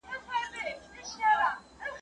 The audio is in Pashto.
د کرنې ځمکه سره سخته وي.